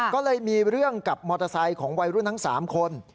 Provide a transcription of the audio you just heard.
ก็เลยมีเรื่องกับมอเตอร์ไซค์ของวัยรุ่นทั้ง๓คน